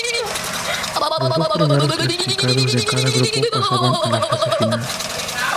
Los dos primeros clasificados de cada grupo pasaban a la fase final.